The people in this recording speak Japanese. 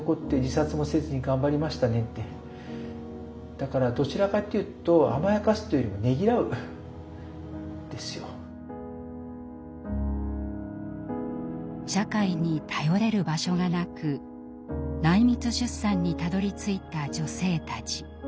だからどちらかっていうと社会に頼れる場所がなく内密出産にたどりついた女性たち。